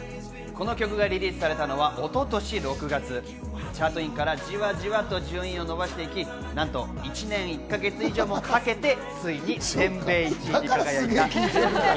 この曲がリリースされたのは一昨年６月、チャートインからじわじわと順位を伸ばしていき、なんと１年１か月以上もかけてついに全米１位に輝いたんです。